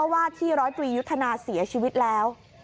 ว่าที่ร้อยตรียุทธนาเสียชีวิตแล้ว